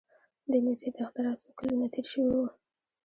د نیزې د اختراع څو کلونه تیر شوي وو.